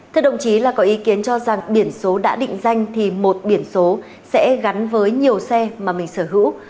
thưa đồng chí là có ý kiến cho rằng biển số đã định danh thì một biển số sẽ gắn với nhiều xe mà mình sở hữu